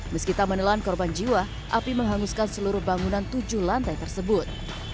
meskipun menelan korban jiwa api menghanguskan seluruh bangunan tujuh lantai tersebut